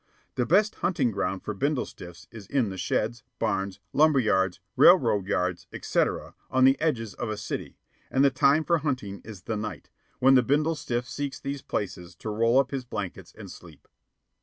The best hunting ground for bindle stiffs is in the sheds, barns, lumber yards, railroad yards, etc., on the edges of a city, and the time for hunting is the night, when the bindle stiff seeks these places to roll up in his blankets and sleep.